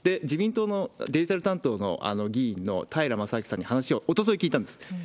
自民党のデジタル担当の議員の平将明さんに話をおととい聞いたんです。